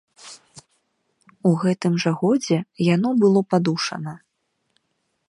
У гэтым жа годзе яно было падушана.